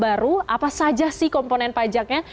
apa saja sih komponen pajaknya